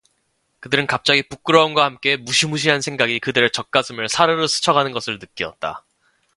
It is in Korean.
그들은 갑자기 부끄러움과 함께 무시무시한 생각이 그들의 젖가슴을 사르르 스쳐가는 것을 느끼었다.